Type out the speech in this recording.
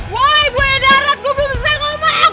woy buaya darat gua belum selesai ngomong